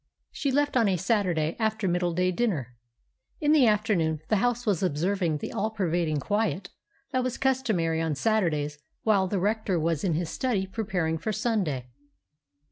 She left on a Saturday after middle day dinner. In the afternoon the house was observing the all pervading quiet that was customary on Saturdays while the Rector was in his study preparing for Sunday.